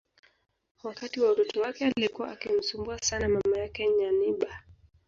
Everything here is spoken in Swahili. Wakati wa utoto wake alikuwa akimsumbua sana mama yake Nyanibah